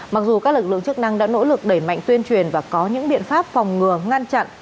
mặc dù các lực lượng chức năng đã nỗ lực đẩy mạnh tuyên truyền và có những biện pháp phòng ngừa ngăn chặn